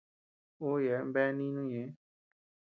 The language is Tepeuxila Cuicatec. Ú yeaben bea nínu ñeʼë.